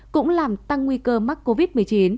cũng làm tăng nguy cơ mắc covid một mươi chín